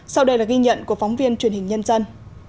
sau đây là ghi nhận của phóng viên truyền hình nhân dân